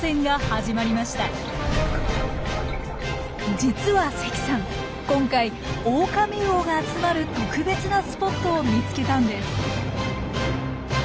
実は関さん今回オオカミウオが集まる特別なスポットを見つけたんです。